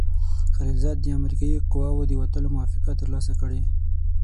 خلیلزاد د امریکایي قواوو د وتلو موافقه ترلاسه کړې.